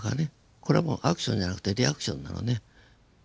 これはアクションじゃなくてリアクションなのね。